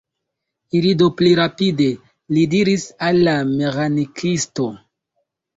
Iru do pli rapide, li diris al la meĥanikisto.